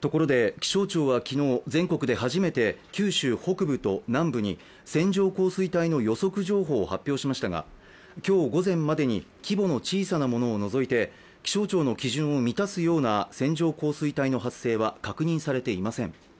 ところで気象庁は昨日、全国で初めて九州北部と南部に線状降水帯の予測情報を発表しましたが、今日午前前に規模の小さなものを除いて気象庁の基準を満たすような線状降水帯の発生は確認されていません。